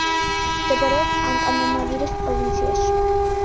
მდებარეობს ანტანანარივუს პროვინციაში.